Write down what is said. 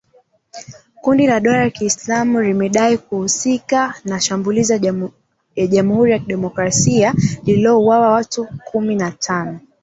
Kundi la dola ya kiislamu limedai kuhusika na shambulizi la jamhuri ya kidemokrasia lililouwa watu kumi na tano